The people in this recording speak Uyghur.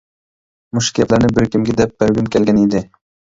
مۇشۇ گەپلەرنى بىر كىمگە دەپ بەرگۈم كەلگەن ئىدى.